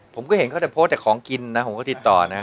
ผมก็เห็นเขาแต่โพสต์แต่ของกินนะผมก็ติดต่อนะ